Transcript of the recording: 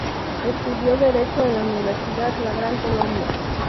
Estudió derecho en la Universidad La Gran Colombia.